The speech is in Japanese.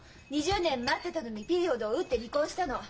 ２０年待ってたのにピリオドを打って離婚したの。